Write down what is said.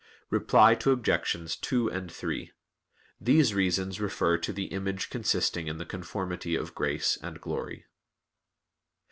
Reply Obj. 2 and 3: These reasons refer to the image consisting in the conformity of grace and glory.